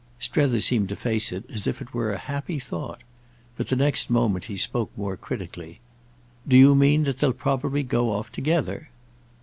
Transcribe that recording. Strether seemed to face it as if it were a happy thought; but the next moment he spoke more critically. "Do you mean that they'll probably go off together?"